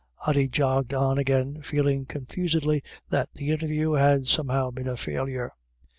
Ody jogged on again, feeling confusedly that the interview had somehow been a failure.